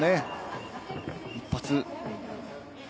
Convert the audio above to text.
一発。